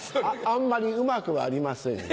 あんまりうまくはありませんが。